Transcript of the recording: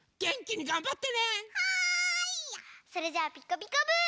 それじゃあ「ピカピカブ！」。